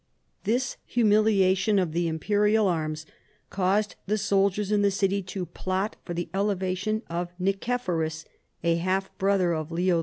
This humiliation of the im perial arras caused the soldiers in the city to plot for the elevation of Nicephorus, a half brother of Leo IV.